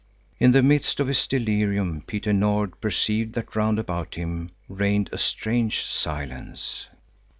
In the midst of his delirium Petter Nord perceived that round about him reigned a strange silence.